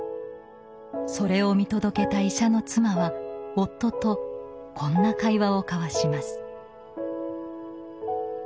それを見届けた医者の妻は夫とこんな会話を交わします。